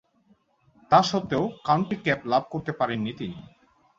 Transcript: তাসত্ত্বেও county cap লাভ করতে পারেননি তিনি।